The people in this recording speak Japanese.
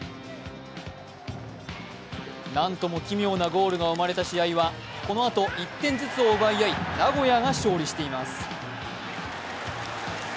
なんとも奇妙なゴールが生まれた試合はこのあと１点ずつを奪い合い、名古屋が勝利しています。